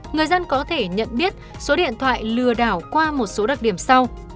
người dân có thể nhận biết số điện thoại lừa đảo qua một số đặc điểm sau